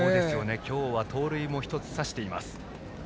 今日は盗塁も１つ刺しています。